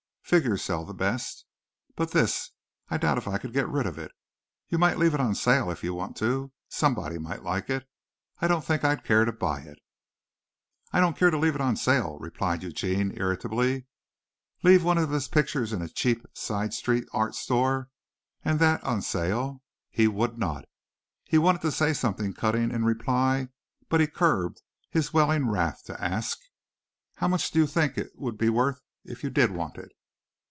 Figures sell best. But this I doubt if I could get rid of it. You might leave it on sale if you want to. Somebody might like it. I don't think I'd care to buy it." "I don't care to leave it on sale," replied Eugene irritably. Leave one of his pictures in a cheap side street art store and that on sale! He would not. He wanted to say something cutting in reply but he curbed his welling wrath to ask, "How much do you think it would be worth if you did want it?"